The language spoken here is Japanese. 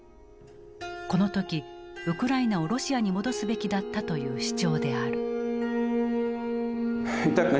この時ウクライナをロシアに戻すべきだったという主張である。